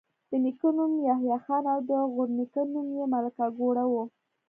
د نیکه نوم یحيی خان او د غورنیکه نوم یې ملک اکوړه وو